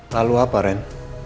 lalu apa ren